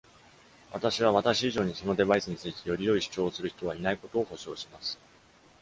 私は、私以上にそのデバイスについてより良い主張をする人はいないことを保証します。